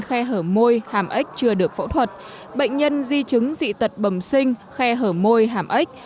khe hở môi hàm ếch chưa được phẫu thuật bệnh nhân di chứng dị tật bầm sinh khe hở môi hàm ếch